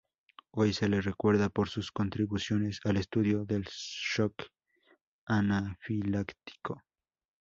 Hoy se le recuerda por sus contribuciones al estudio del shock anafiláctico.